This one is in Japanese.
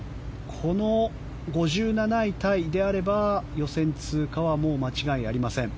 この５７位タイであれば予選通過は間違いありません。